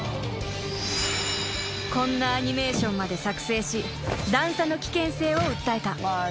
［こんなアニメーションまで作成し段差の危険性を訴えた］